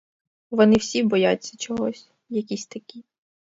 Вони всі бояться чогось, якісь такі.